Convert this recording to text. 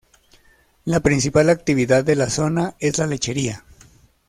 La principal actividad de la zona es la lechería.